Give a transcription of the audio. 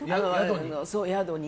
宿に。